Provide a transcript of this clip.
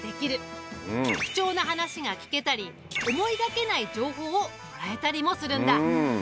貴重な話が聞けたり思いがけない情報をもらえたりもするんだ。